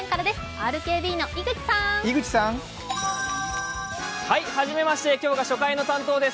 ＲＫＢの井口さん！はじめまして、今日が初回の担当です。